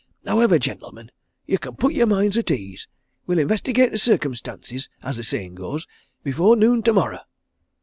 Howivver, gentlemen, ye can put yer minds at ease we'll investigate the circumstances, as the sayin' goes, before noon tomorrow."